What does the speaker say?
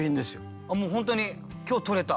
もう本当に今日とれた。